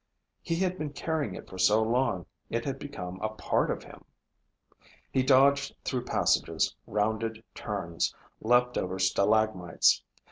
He had been carrying it for so long it had become a part of him. He dodged through passages, rounded turns, leaped over stalagmites.